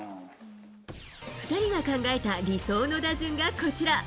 ２人が考えた理想の打順がこちら。